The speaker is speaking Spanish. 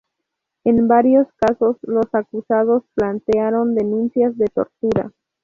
En varios casos, los acusados plantearon denuncias de tortura.